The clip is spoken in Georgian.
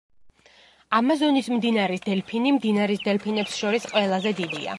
ამაზონის მდინარის დელფინი მდინარის დელფინებს შორის ყველაზე დიდია.